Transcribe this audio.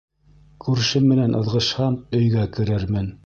Күршем менән ыҙғышһам, өйгә керермен